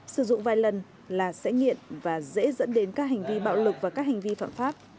sử dụng vài lần là sẽ nghiện và dễ dẫn đến các hành vi bạo lực và các hành vi phạm pháp